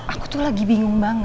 aku tuh lagi bingung banget